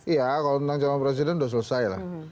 iya kalau tentang cawapres udah selesai lah